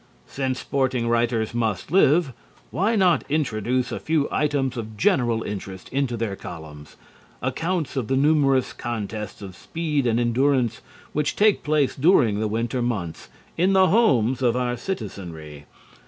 Since sporting writers must live, why not introduce a few items of general interest into their columns, accounts of the numerous contests of speed and endurance which take place during the winter months in the homes of our citizenry?